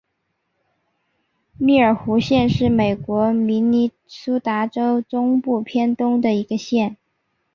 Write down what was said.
密尔湖县是美国明尼苏达州中部偏东的一个县。